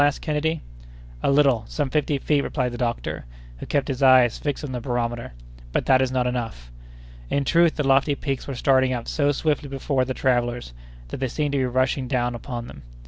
asked Kennedy. "A little—some fifty feet," replied the doctor, who kept his eyes fixed on the barometer. "But that is not enough." In truth the lofty peaks were starting up so swiftly before the travellers that they seemed to be rushing down upon them.